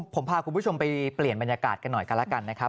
ผมพาคุณผู้ชมไปเปลี่ยนบรรยากาศกันหน่อยกันแล้วกันนะครับ